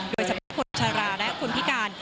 โดยเฉพาะคนชะลาและคนพิการ